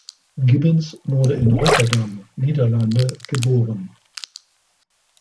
Gibbons wurde in Rotterdam, Niederlande geboren.